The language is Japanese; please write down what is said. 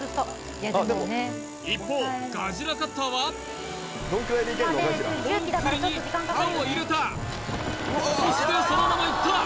一方ガジラカッターはコンクリに刃を入れたそしてそのままいった